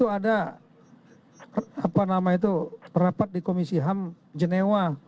apa itu rapat di komisi ham jenewa